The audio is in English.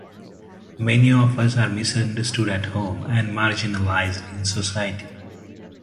Many of us are misunderstood at home and marginalised in society.